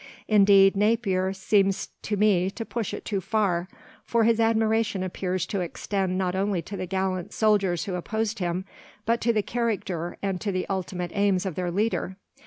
Indeed, Napier seems to me to push it too far, for his admiration appears to extend not only to the gallant soldiers who opposed him, but to the character and to the ultimate aims of their leader.